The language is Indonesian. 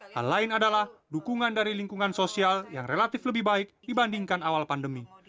hal lain adalah dukungan dari lingkungan sosial yang relatif lebih baik dibandingkan awal pandemi